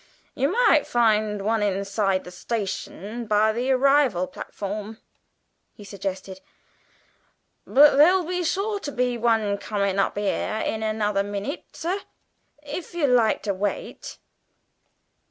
"You might find one inside the station by the arrival platform," he suggested; "but there'll be sure to be one comin' up here in another minute, sir, if you like to wait."